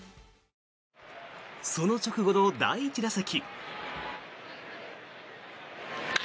その直後の第１打席。